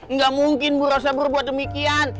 nggak mungkin bura sabar buat demikian